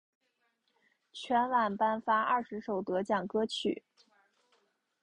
全晚颁发二十首得奖歌曲。